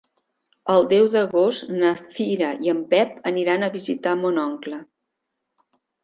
El deu d'agost na Cira i en Pep aniran a visitar mon oncle.